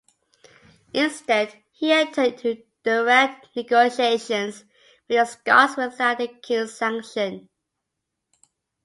Instead he entered into direct negotiations with the Scots, without the king's sanction.